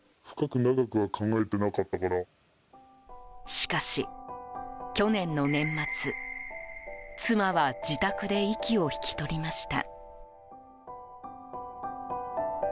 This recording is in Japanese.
しかし、去年の年末妻は自宅で息を引き取りました。